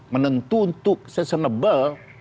menentu untuk sesenebel